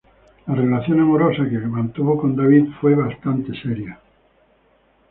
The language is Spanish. La relación amorosa que mantuvo con David fue bastante seria.